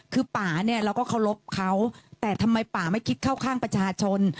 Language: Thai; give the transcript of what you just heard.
คือป่าเนี่ยเราก็เคารพเขาแต่ทำไมป่าไม่คิดเข้าข้างประชาชน